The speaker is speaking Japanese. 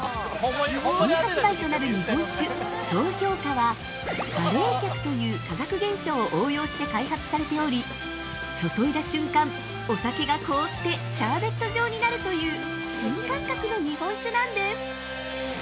◆新発売となる日本酒「蒼氷花」は、過冷却という科学現象を応用して開発されており注いだ瞬間、お酒が凍ってシャーベット状になるという新感覚の日本酒なんです。